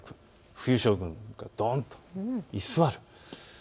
冬将軍がどんと居座る。